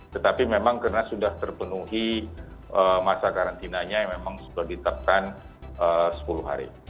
tetapi memang karena sudah terpenuhi masa karantinanya yang memang sudah ditetapkan sepuluh hari